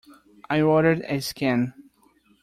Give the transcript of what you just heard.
I ordered a scan.